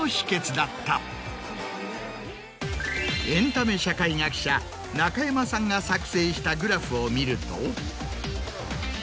エンタメ社会学者中山さんが作成したグラフを見ると。